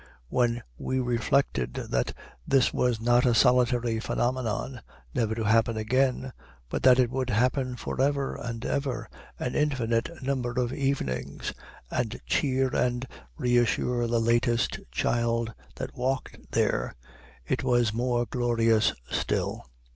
When we reflected that this was not a solitary phenomenon, never to happen again, but that it would happen forever and ever an infinite number of evenings, and cheer and reassure the latest child that walked there, it was more glorious still.